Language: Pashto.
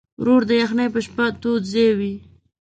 ورور د یخنۍ په شپه تود ځای وي.